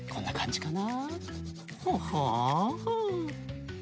こんなかんじかな。